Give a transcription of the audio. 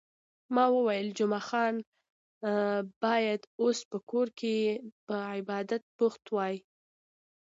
ما وویل، جمعه خان باید اوس په کور کې په عبادت بوخت وای.